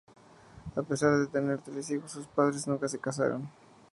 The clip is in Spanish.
A pesar de tener tres hijos, sus padres nunca se casaron.